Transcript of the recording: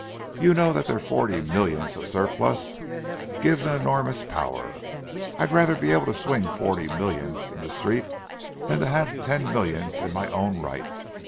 You know that their forty millions of surplus gives an enormous power; I'd rather be able to swing forty millions in the Street than to have ten millions in my own right.